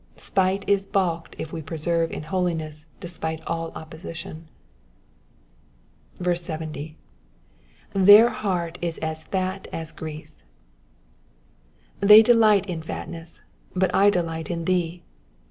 Spite is balked if we persevere in holiness despite all oppoeition. 70. ^^ Their heart is as fat as grease.'*^ They delight in fatness, but I delight in thee.